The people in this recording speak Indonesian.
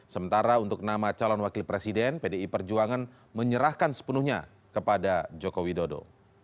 sementara untuk nama calon wakil presiden pdi perjuangan menyerahkan sepenuhnya kepada joko widodo